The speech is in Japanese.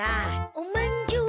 ・おまんじゅう。